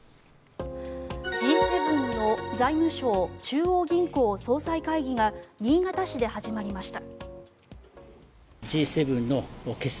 Ｇ７の財務相・中央銀行総裁会議が新潟市で始まりました。